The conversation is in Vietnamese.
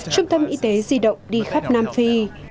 trung tâm y tế di động đi khắp nam phi